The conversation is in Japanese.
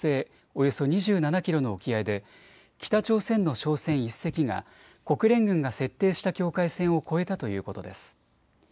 およそ２７キロの沖合で北朝鮮の商船１隻が国連軍が設定した境界線を越えたということです。